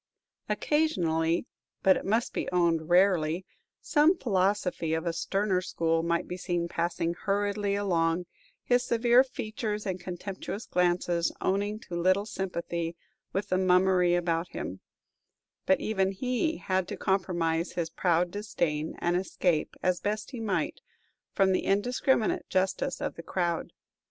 Occasionally but, it must be owned, rarely some philosopher of a sterner school might be seen passing hurriedly along, his severe features and contemptuous glances owning to little sympathy with the mummery about him; but even he had to compromise his proud disdain, and escape, as best he might, from the indiscriminate justice of the crowd.